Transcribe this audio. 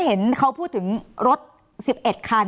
คุณหมอประเมินสถานการณ์บรรยากาศนอกสภาหน่อยได้ไหมคะ